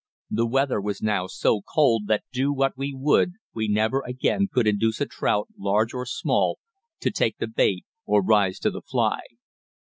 The weather was now so cold that do what we would we never again could induce a trout, large or small, to take the bait or rise to the fly.